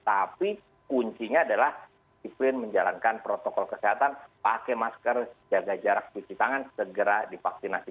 tapi kuncinya adalah disiplin menjalankan protokol kesehatan pakai masker jaga jarak cuci tangan segera divaksinasi